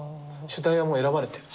主題はもう選ばれてる。